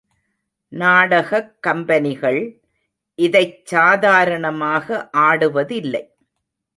நாடகக் கம்பெனிகள் இதைச் சாதாரணமாக ஆடுவதில்லை.